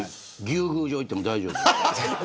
牛宮城行っても大丈夫。